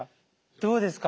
どうですか？